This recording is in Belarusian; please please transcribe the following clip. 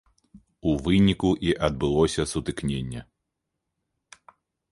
У выніку і адбылося сутыкненне.